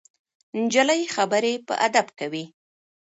نجلۍ خبرې په ادب کوي.